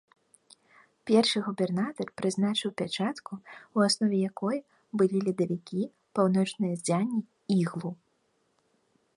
Першы губернатар прызначыў пячатку, у аснове якой былі ледавікі, паўночныя ззянні, іглу.